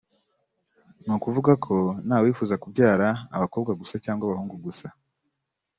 ni ukuvuga ko nta wifuza kubyara abakobwa gusa cyangwa abahungu gusa